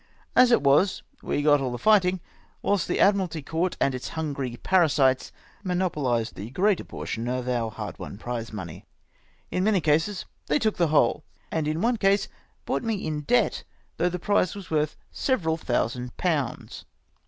As it was, we got all the fighting, whilst the Admii'alty Court and its hungry parasites monopolised the greater portion of om' hard won prize money. Li many cases they took the whole ! and in one case brought me in debt, though the prize was worth several thousand pounds